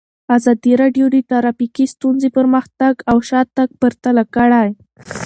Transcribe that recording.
ازادي راډیو د ټرافیکي ستونزې پرمختګ او شاتګ پرتله کړی.